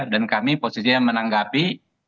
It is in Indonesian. dan kami positifnya menanggapi